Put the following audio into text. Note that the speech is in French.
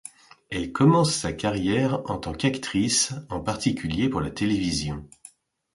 Elle commence sa carrière en tant qu'actrice, en particulier pour la télévision.